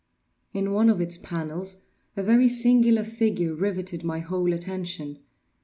In one of its panels a very singular figure riveted my whole attention.